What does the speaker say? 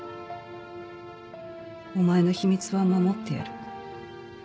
お前の秘密は守ってやる。